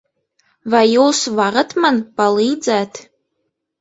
Vai jūs varat man palīdzēt?